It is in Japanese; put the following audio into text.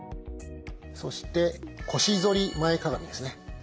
そして腰反り前かがみですね。